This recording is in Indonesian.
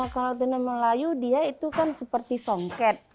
kalau tuna melayu dia itu kan seperti songket